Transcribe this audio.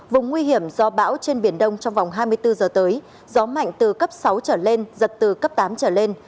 vùng nguy hiểm do bão trên biển đông trong vòng hai mươi bốn giờ tới gió mạnh từ cấp sáu trở lên giật từ cấp tám trở lên